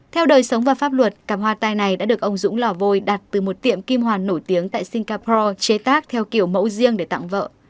theo đời sống và pháp luật cặp hoa tai này đã được ông dũng lò vôi đặt từ một tiệm kim hoàn nổi tiếng tại singapore chế tác theo kiểu mẫu riêng để tặng vợ